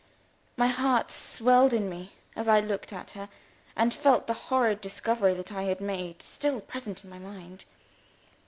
My heart swelled in me as I looked at her, and felt the horrid discovery that I had made still present in my mind.